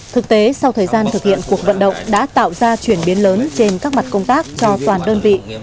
thực tế sau thời gian thực hiện cuộc vận động đã tạo ra chuyển biến lớn trên các mặt công tác cho toàn đơn vị